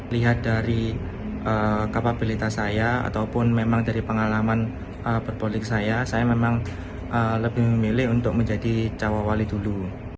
lihat dari kapabilitas saya ataupun memang dari pengalaman berpolik saya saya memang lebih memilih untuk menjadi cawa wali dulu